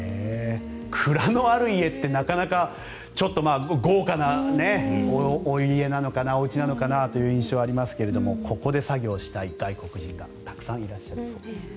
蔵のある家ってなかなか、ちょっと豪華なおうちなのかなという印象がありますがここで作業したい外国人がたくさんいらっしゃるそうです。